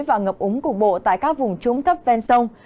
và ngập úng cục bộ tại các vùng trũng thấp ven sông